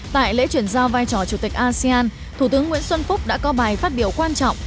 tại lễ chuyển giao vai trò chủ tịch asean thủ tướng nguyễn xuân phúc đã có bài phát biểu quan trọng